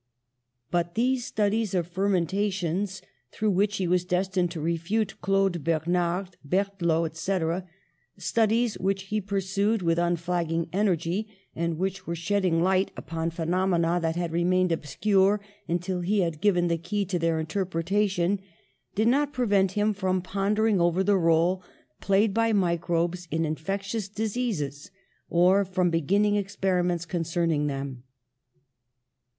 But these studies of fermentations, through which he was destined to refute Claude Ber nard, Berthelot, etc., studies which he pursued with unflagging energy, and which were shed ding light upon phenomena that had remained obscure until he had given the key to their in terpretation, did not prevent him from ponder ing over the role played by microbes in infec tious diseases or from beginning experiments concerning them.